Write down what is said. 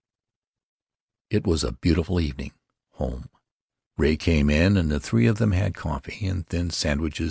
It was a beautiful evening. Home! Ray came in, and the three of them had coffee and thin sandwiches.